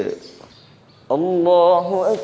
selamat malam pak ustadz